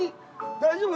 大丈夫？